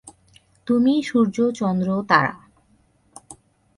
তুমিই সূর্য, চন্দ্র, তারা।